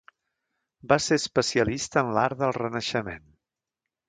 Va ser especialista en l'art del renaixement.